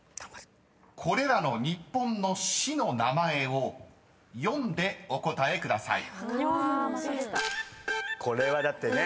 ［これらの日本の市の名前を読んでお答えください］